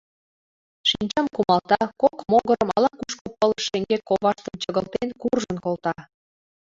Шинчам кумалта, кок могырым ала-кушко пылыш шеҥгек коваштым чыгылтен куржын колта.